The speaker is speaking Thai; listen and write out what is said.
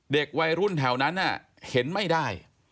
เด็กวัยรุ่นแถวนั้นเห็นไม่ได้